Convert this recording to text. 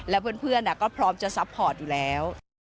และเพื่อนก็พร้อมจะซัพพอร์ตอยู่แล้ว